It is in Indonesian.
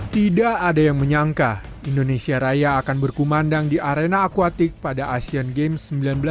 tidak ada yang menyangka indonesia raya akan berkumandang di arena akuatik pada asean games seribu sembilan ratus delapan puluh